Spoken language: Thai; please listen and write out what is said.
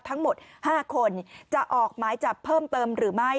ทั้งหมด๕คนจะออกหมายจับเพิ่มเติมหรือไม่